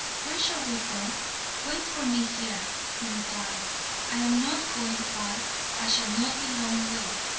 Where shall we go?" "Wait for me here," he replied. "I am not going far. I shall not be long away."